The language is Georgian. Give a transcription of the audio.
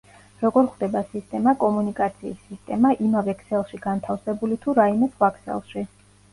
როგორ ხვდება სისტემა კომუნიკაციის სისტემა იმავე ქსელში განთავსებული თუ რაიმე სხვა ქსელში?